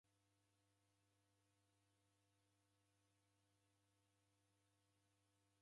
Warumaghie ukim'besera mpaka ukaw'uya.